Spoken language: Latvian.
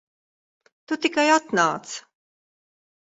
Tu tikai atnāc.